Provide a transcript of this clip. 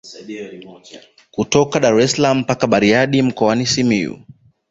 Kutoka Daressalaam mpaka Bariadi mkoani Simiyu